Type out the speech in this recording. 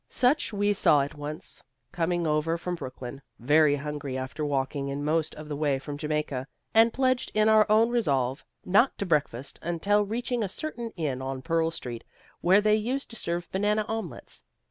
Such we saw it once, coming over from Brooklyn, very hungry after walking in most of the way from Jamaica, and pledged in our own resolve not to break fast until reaching a certain inn on Pearl Street where they used to serve banana omelets.